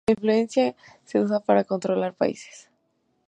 La influencia se usa para controlar países.